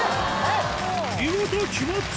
見事決まった！